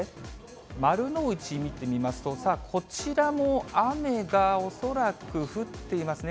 丸の内見てみますと、さあ、こちらも雨が、恐らく降っていますね。